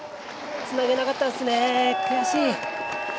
つなげなかったっすね悔しい。